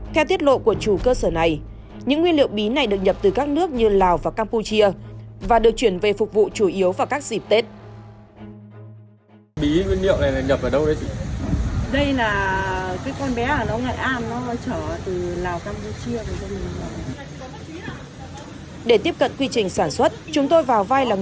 để tiếp cận quy trình sản xuất chúng tôi vào vai là người muốn nhập hàng với số lượng lớn chủ cơ sở mới đồng ý dẫn chúng tôi vào xem hàng